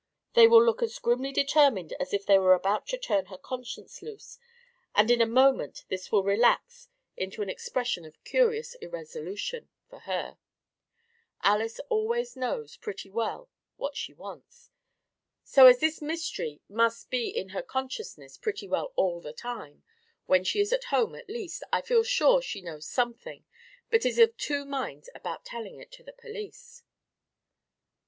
They will look as grimly determined as if she were about to turn her conscience loose, and in a moment this will relax into an expression of curious irresolution for her: Alys always knows pretty well what she wants. So, as this mystery must be in her consciousness pretty well all the time, when she is at home, at least, I feel sure she knows something but is of two minds about telling it to the police."